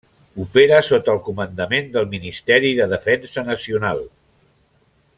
Opera sota el comandament del Ministeri de Defensa Nacional.